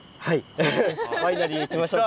ワイナリーに行きましょうか。